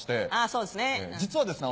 そうですね。